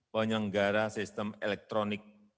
penyelenggara sistem elektronik